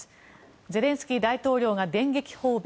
ゼレンスキー大統領が電撃訪米